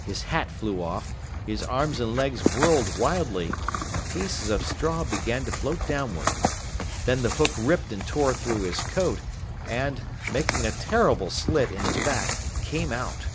His hat flew off, his arms and legs whirled wildly, and pieces of straw began to float downward. Then the hook ripped and tore through his coat and, making a terrible slit in his back, came out.